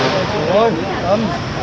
hơi của tôi chỉ có thế thôi